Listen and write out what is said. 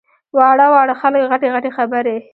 واړه واړه خلک غټې غټې خبرې!